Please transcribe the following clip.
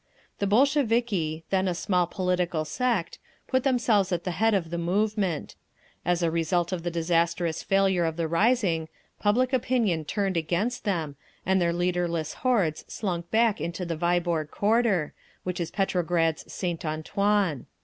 The Bolsheviki, then a small political sect, put themselves at the head of the movement. As a result of the disastrous failure of the rising, public opinion turned against them, and their leaderless hordes slunk back into the Viborg Quarter, which is Petrograd's _St. Antoine.